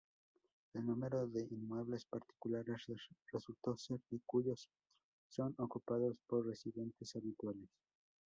El número de inmuebles particulares resultó ser de cuyos son ocupados por residentes habituales.